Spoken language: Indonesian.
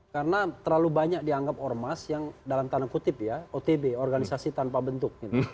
karena terlalu banyak dianggap ormas yang dalam tanah kutip ya otb organisasi tanpa bentuk